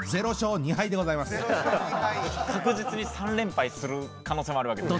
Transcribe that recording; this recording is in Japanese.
確実に３連敗する可能性もあるわけですね。